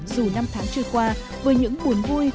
dù năm tháng trôi qua với những buồn vui